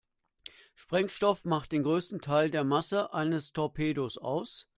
Sprengstoff macht den größten Teil der Masse eines Torpedos aus.